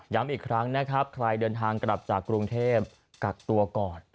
อีกครั้งนะครับใครเดินทางกลับจากกรุงเทพกักตัวก่อน